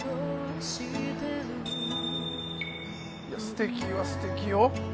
いやすてきはすてきよ。